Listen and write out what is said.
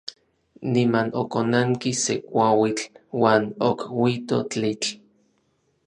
Niman okonanki se kuauitl uan okuito tlitl.